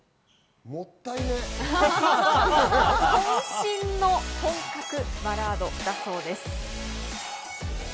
渾身の本格バラードだそうです。